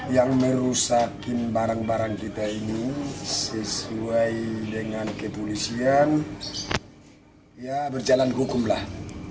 yang merusakin barang barang kita ini sesuai dengan kepolisian ya berjalan hukum lah